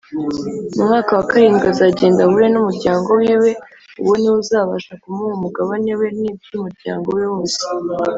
Umwaka wa karindwi azagenda ahure n’umuryango wiwe uwo niwo uzabasha ku muha umugabane we niby’umuryango we wose.